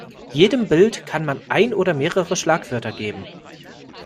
Jedem Bild kann man ein oder mehrere Schlagwörter geben.